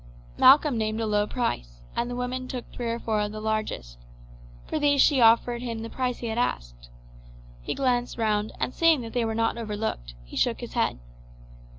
Malcolm named a low price, and the woman took three or four of the largest. For these she offered him the price he had asked. He glanced round, and seeing that they were not overlooked, he shook his head.